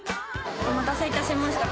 お待たせ致しました。